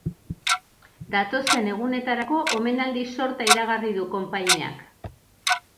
Datozen egunetarako omenaldi-sorta iragarri du konpainiak.